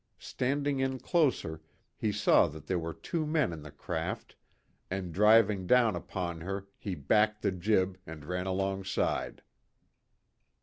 Standing in closer, he saw that there were two men in the craft, and driving down upon her he backed the jib and ran alongside.